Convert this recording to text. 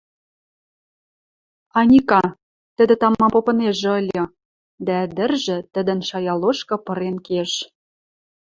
– Аника.... – тӹдӹ тамам попынежӹ ыльы, дӓ ӹдӹржӹ тӹдӹн шая лошкы пырен кеш: